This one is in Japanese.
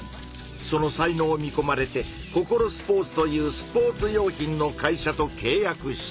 その才能を見こまれてココロスポーツというスポーツ用品の会社とけい約した。